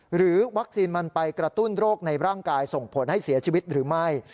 หรือวัคซีนมันไปกระตุ้นโรคในร่างกายส่งผลให้เสียชีวิตหรือไม่